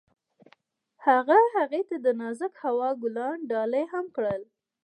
هغه هغې ته د نازک هوا ګلان ډالۍ هم کړل.